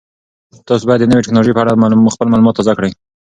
تاسو باید د نوې تکنالوژۍ په اړه خپل معلومات تازه کړئ.